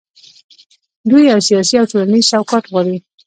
دوی یو سیاسي او ټولنیز چوکاټ غواړي.